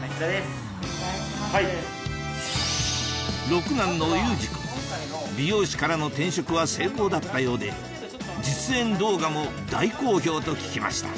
六男の有志君美容師からの転職は成功だったようで実演動画も大好評と聞きました